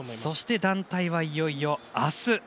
そして団体はいよいよ明日。